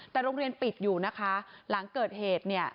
แต่โรงเรียนปิดอยู่นะคะหลังเกิดเหตุเนี่ย